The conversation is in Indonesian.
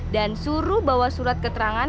dan suruh bawa surat keterangan